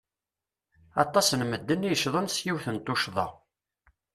Aṭas n medden i yeccḍen s yiwet n tuccḍa.